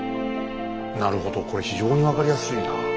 なるほどこれ非常に分かりやすいな。